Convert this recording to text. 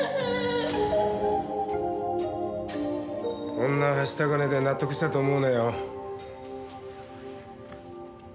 こんなはした金で納得したと思うなよ。